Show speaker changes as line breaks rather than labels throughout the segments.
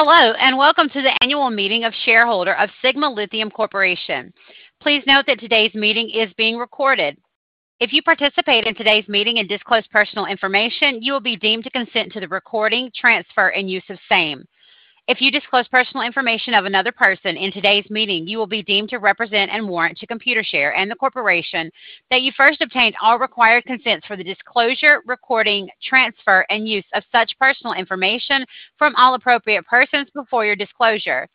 Hello, and welcome to the annual meeting of shareholders of Sigma Lithium Corporation. Please note that today's meeting is being recorded. If you participate in today's meeting and disclose personal information, you will be deemed to consent to the recording, transfer, and use of same. If you disclose personal information of another person in today's meeting, you will be deemed to represent and warrant to Computershare and the corporation that you first obtained all required consents for the disclosure, recording, transfer, and use of such personal information from all appropriate persons before your disclosure.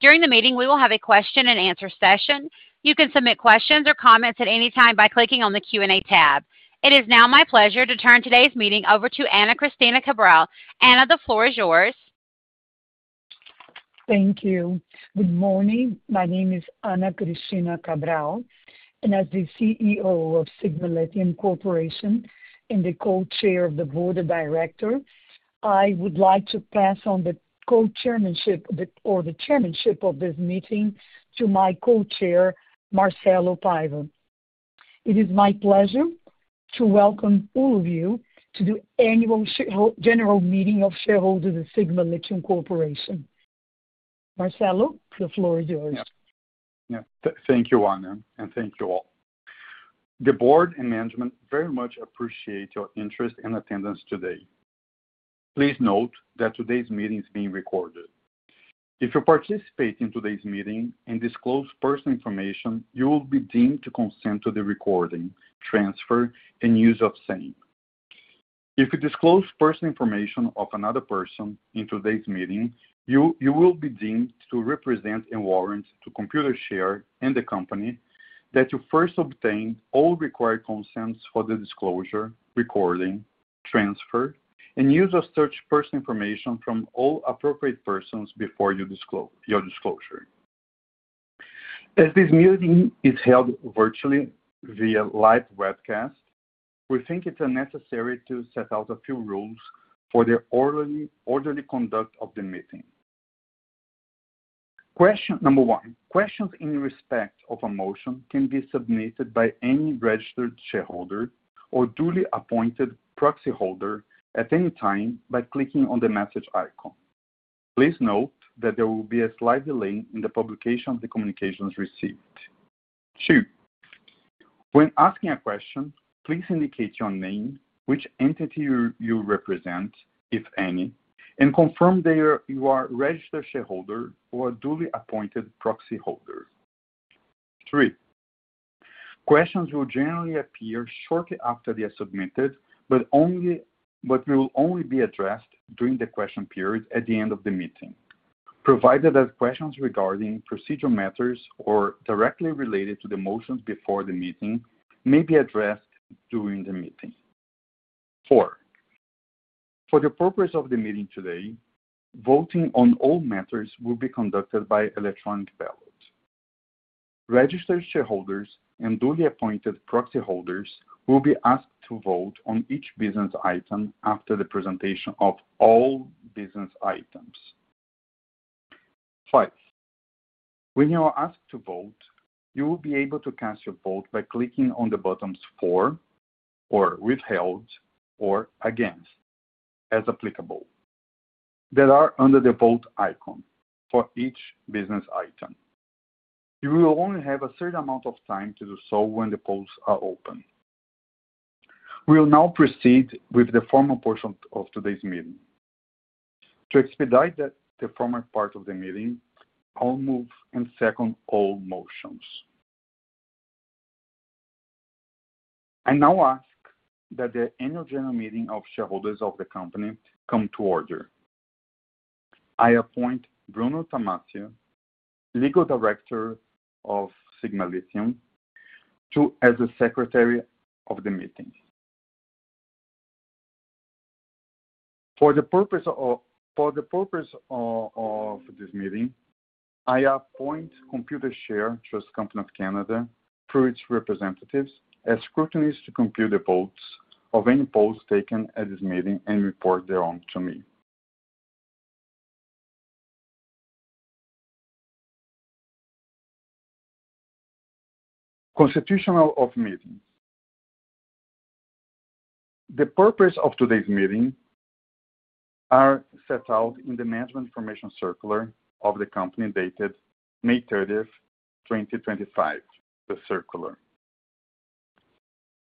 During the meeting, we will have a question-and-answer session. You can submit questions or comments at any time by clicking on the Q&A tab. It is now my pleasure to turn today's meeting over to Ana Cristina Cabral. Ana, the floor is yours.
Thank you. Good morning. My name is Ana Cristina Cabral, and as the CEO of Sigma Lithium Corporation and the Co-Chair of the Board of Directors, I would like to pass on the co-chairmanship or the chairmanship of this meeting to my Co-Chair, Marcelo Paiva. It is my pleasure to welcome all of you to the annual general meeting of shareholders of Sigma Lithium Corporation. Marcelo, the floor is yours.
Yeah. Thank you, Ana, and thank you all. The board and management very much appreciate your interest and attendance today. Please note that today's meeting is being recorded. If you participate in today's meeting and disclose personal information, you will be deemed to consent to the recording, transfer, and use of same. If you disclose personal information of another person in today's meeting, you will be deemed to represent and warrant to Computershare and the company that you first obtained all required consents for the disclosure, recording, transfer, and use of such personal information from all appropriate persons before your disclosure. As this meeting is held virtually via live webcast, we think it's necessary to set out a few rules for the orderly conduct of the meeting. Question number one. Questions in respect of a motion can be submitted by any registered shareholder or duly appointed proxy holder at any time by clicking on the message icon. Please note that there will be a slight delay in the publication of the communications received. Two. When asking a question, please indicate your name, which entity you represent, if any, and confirm that you are a registered shareholder or a duly appointed proxy holder. Three. Questions will generally appear shortly after they are submitted, but will only be addressed during the question period at the end of the meeting, provided that questions regarding procedural matters or directly related to the motions before the meeting may be addressed during the meeting. Four. For the purpose of the meeting today, voting on all matters will be conducted by electronic ballot. Registered shareholders and duly appointed proxy holders will be asked to vote on each business item after the presentation of all business items. Five. When you are asked to vote, you will be able to cast your vote by clicking on the buttons for, or withheld, or against, as applicable. These are under the vote icon for each business item. You will only have a certain amount of time to do so when the polls are open. We will now proceed with the formal portion of today's meeting. To expedite the formal part of the meeting, I'll move and second all motions. I now ask that the annual general meeting of shareholders of the company come to order. I appoint Bruno Tamassia, Legal Director of Sigma Lithium, as the secretary of the meeting. For the purpose of this meeting, I appoint Computershare Trust Company of Canada through its representatives as scrutineers to compute the votes of any polls taken at this meeting and report their own to me. Constitution of meeting. The purpose of today's meeting is set out in the management information circular of the company dated May 30th, 2025, the circular.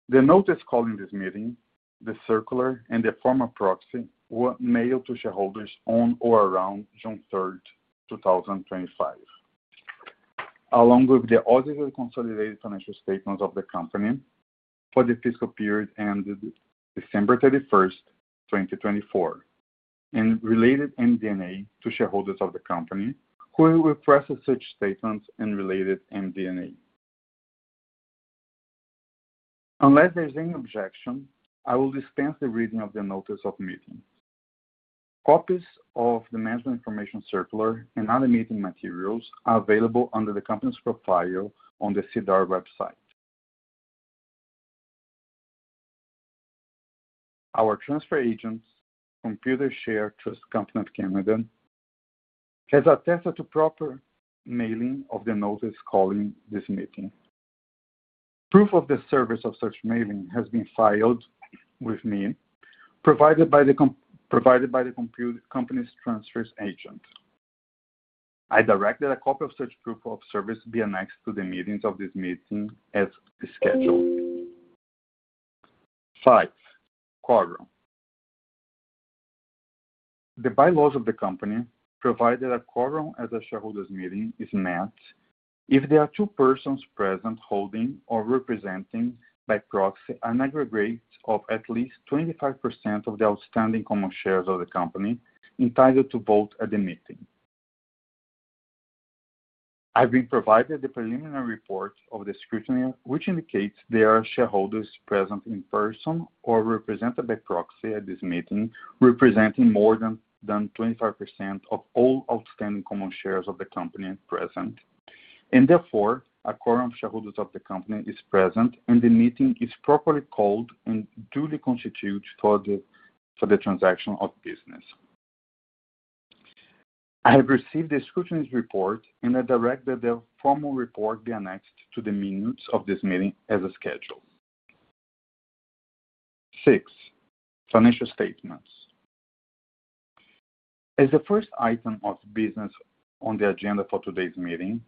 The notice calling this meeting, the circular, and the formal proxy were mailed to shareholders on or around June 3rd, 2025, along with the audited consolidated financial statements of the company for the fiscal period ended December 31st, 2024, and related MD&A to shareholders of the company who will request such statements and related MD&A. Unless there's any objection, I will dispense the reading of the notice of meeting. Copies of the management information circular and other meeting materials are available under the company's profile on the SEDAR+ website. Our transfer agent, Computershare Trust Company of Canada, has attested to proper mailing of the notice calling this meeting. Proof of the service of such mailing has been filed with me, provided by the company's transfer agent. I directed a copy of such proof of service to be annexed to the minutes of this meeting as scheduled. Five. Quorum. The bylaws of the company provide that a quorum at a shareholders' meeting is met if there are two persons present holding or representing by proxy an aggregate of at least 25% of the outstanding common shares of the company entitled to vote at the meeting. I've been provided the preliminary report of the scrutiny, which indicates there are shareholders present in person or represented by proxy at this meeting representing more than 25% of all outstanding common shares of the company present, and therefore a quorum of shareholders of the company is present and the meeting is properly called and duly constituted for the transaction of business. I have received the scrutiny report and I directed the formal report to be annexed to the minutes of this meeting as scheduled. Six. Financial statements. As the first item of business on the agenda for today's meeting,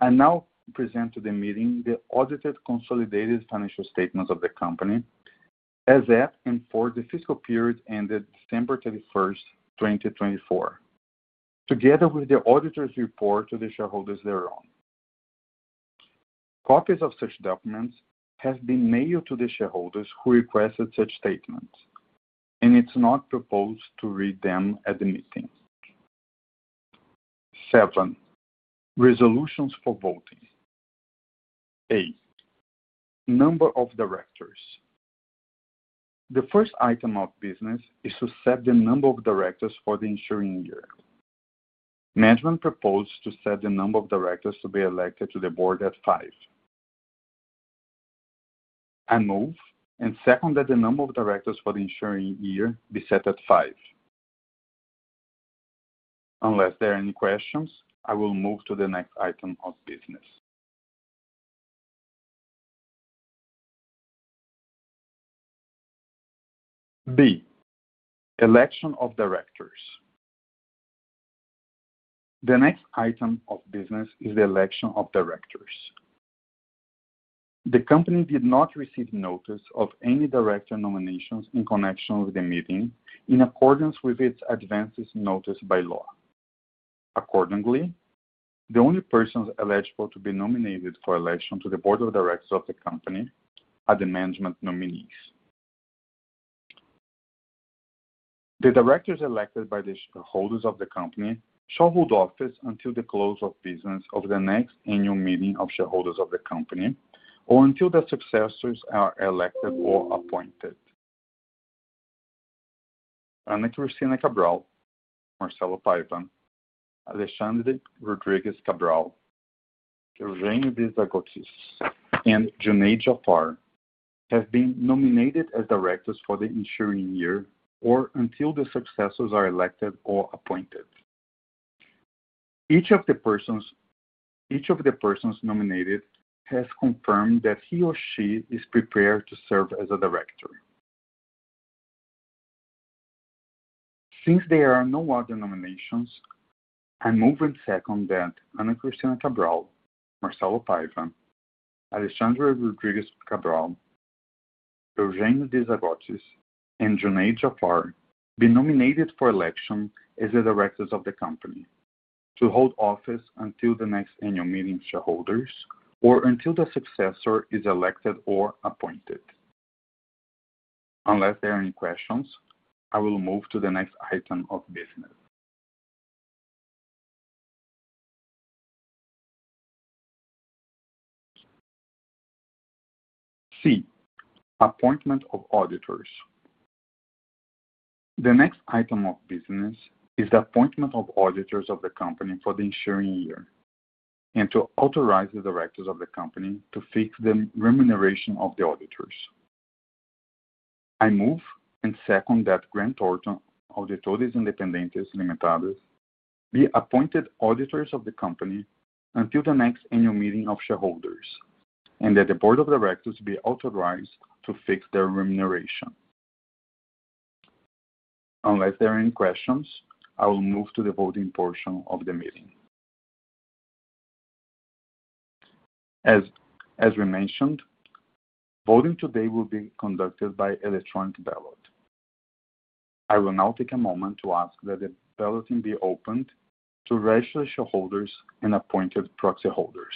I now present to the meeting the audited consolidated financial statements of the company as at and for the fiscal period ended December 31st, 2024, together with the auditor's report to the shareholders thereon. Copies of such documents have been mailed to the shareholders who requested such statements, and it's not proposed to read them at the meeting. Seven. Resolutions for voting. Eight. Number of directors. The first item of business is to set the number of directors for the ensuing year. Management proposed to set the number of directors to be elected to the board at five. I move and second that the number of directors for the ensuing year be set at five. Unless there are any questions, I will move to the next item of business. B. Election of directors. The next item of business is the election of directors. The company did not receive notice of any director nominations in connection with the meeting in accordance with its advance notice bylaw. Accordingly, the only persons eligible to be nominated for election to the board of directors of the company are the management nominees. The directors elected by the shareholders of the company shall hold office until the close of business of the next annual meeting of shareholders of the company or until the successors are elected or appointed. Ana Cristina Cabral, Marcelo Paiva, Alexandre Rodrigues Cabral, Eugenio de Zagottis, and Junaid Jafar have been nominated as directors for the ensuing year or until the successors are elected or appointed. Each of the persons nominated has confirmed that he or she is prepared to serve as a director. Since there are no other nominations, I move and second that Ana Cristina Cabral, Marcelo Paiva, Alexandre Rodrigues Cabral, Eugenio de Zagottis, and Junaid Jafar be nominated for election as the directors of the company to hold office until the next annual meeting of shareholders or until the successor is elected or appointed. Unless there are any questions, I will move to the next item of business. C. Appointment of auditors. The next item of business is the appointment of auditors of the company for the ensuing year and to authorize the directors of the company to fix the remuneration of the auditors. I move and second that Grant Thornton Auditores Independentes Limitada be appointed auditors of the company until the next annual meeting of shareholders and that the board of directors be authorized to fix their remuneration. Unless there are any questions, I will move to the voting portion of the meeting. As we mentioned, voting today will be conducted by electronic ballot. I will now take a moment to ask that the balloting be opened to registered shareholders and appointed proxy holders.